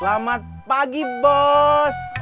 selamat pagi bos